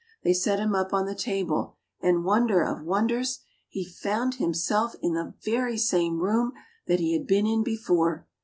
They set him up on the table, and, wonder of wonders! he found himself in the very same room that he had been in before.